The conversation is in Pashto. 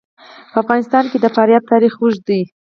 په افغانستان کې د فاریاب تاریخ اوږد دی.